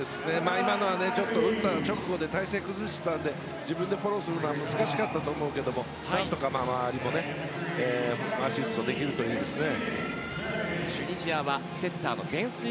今のは、ちょっと打った直後体勢を崩していたので自分でフォローするのは難しかったと思うけど周りもアシストできるといいですね。